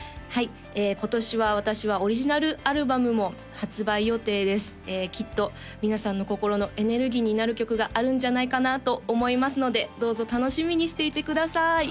はい今年は私はオリジナルアルバムも発売予定ですきっと皆さんの心のエネルギーになる曲があるんじゃないかなと思いますのでどうぞ楽しみにしていてください